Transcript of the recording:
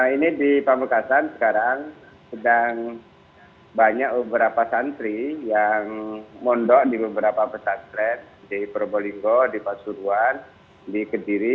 ini di pamekasan sekarang sedang banyak beberapa santri yang mondok di beberapa pesantren di probolinggo di pasuruan di kediri